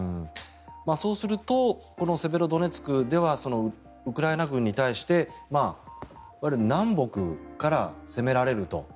そうするとセベロドネツクではウクライナ軍に対して南北から攻められると。